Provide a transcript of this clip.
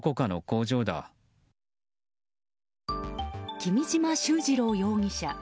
君島秀治郎容疑者。